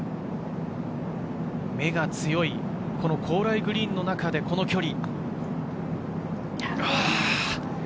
目が強いこの高麗グリーンの中でこの距離。